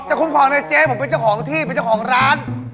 แต่คุณบอกเลยเจ๊ผมเป็นเจ้าของที่เป็นเจ้าของร้าน